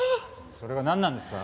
それがなんなんですか？